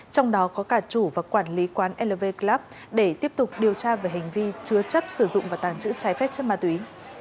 trong đó có cả chủ và quản lý quán lv club để tiếp tục điều tra về hành vi chứa chấp sử dụng và tàng trữ trái phép chất ma túy